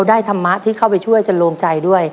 แล้ววันนี้ผมมีสิ่งหนึ่งนะครับเป็นตัวแทนกำลังใจจากผมเล็กน้อยครับ